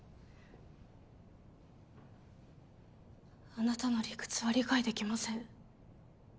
あなたの理屈は理解できません。